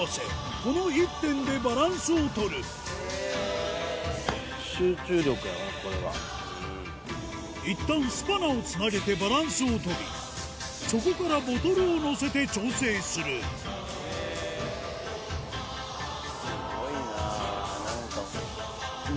この１点でバランスを取るいったんスパナをつなげてバランスを取りそこからボトルをのせて調整するスゴいな。